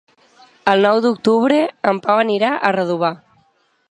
El nou d'octubre en Pau anirà a Redovà.